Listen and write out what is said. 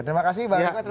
terima kasih pak sam